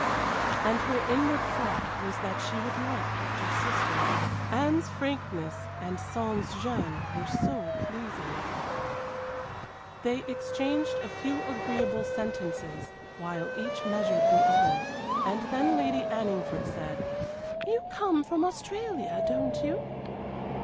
And her inward thought was that she would like Hector's sister. Anne's frankness and sans gêne were so pleasing. They exchanged a few agreeable sentences while each measured the other, and then Lady Anningford said: "You come from Australia, don't you?"